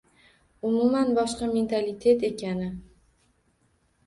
— Umuman boshqa mentalitet ekani.